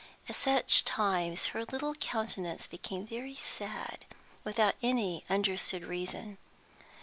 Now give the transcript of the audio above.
At such times her little countenance became very sad without any understood reason.